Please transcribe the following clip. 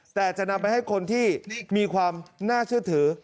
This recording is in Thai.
แต่จะนำไปให้คนที่มีความน่าเชื่อถือ